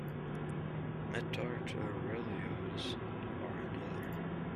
Metarterioles are another.